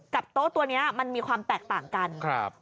โต๊ะตัวนี้มันมีความแตกต่างกันครับ